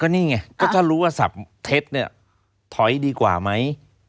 นี่ไงก็ถ้ารู้ว่าศาบเทศเนี่ยท้อยดีกว่ามั้ย